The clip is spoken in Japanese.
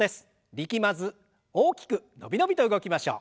力まず大きく伸び伸びと動きましょう。